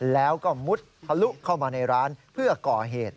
แล้วก็มุดทะลุเข้ามาในร้านเพื่อก่อเหตุ